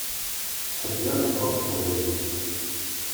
Tettḥebbiṛemt ɣef teqbaylit.